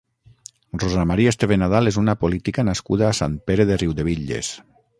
Rosa Maria Esteve Nadal és una política nascuda a Sant Pere de Riudebitlles.